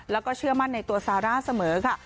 แล้วก็เชื่อมั่นในตัวซาร่าเสมอค่ะ